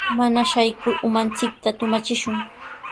Mana shaykur umanchikta tumachishun.